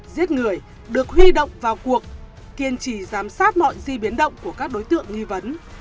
giết người được huy động vào cuộc kiên trì giám sát mọi di biến động của các đối tượng nghi vấn